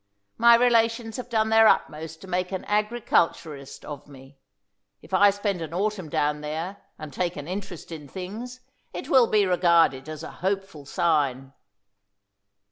My relations have done their utmost to make an agriculturist of me. If I spend an autumn down there, and take an interest in things, it will be regarded as a hopeful sign."